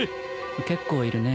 結構いるね。